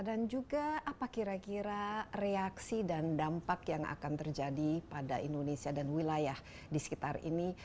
dan juga apa kira kira reaksi dan dampak yang akan terjadi pada indonesia dan wilayah di sekitar ini